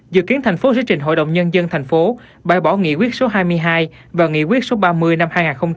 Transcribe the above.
dự kiến thành phố xử trình hội đồng nhân dân thành phố bài bỏ nghị quyết số hai mươi hai và nghị quyết số ba mươi năm hai nghìn một mươi bốn